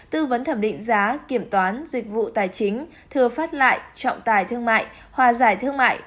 tư vấn thẩm định giá kiểm toán dịch vụ tài chính thừa phát lại trọng tài thương mại hòa giải thương mại